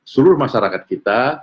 seluruh masyarakat kita